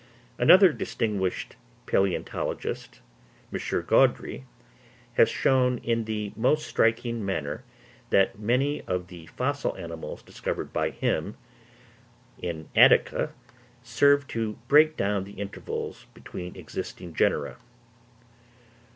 Another distinguished palæontologist, M. Gaudry, has shown in the most striking manner that many of the fossil mammals discovered by him in Attica serve to break down the intervals between existing genera.